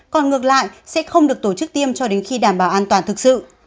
còn ngược lại sẽ không được tổ chức tiêm cho đến khi đảm bảo an toàn thực sự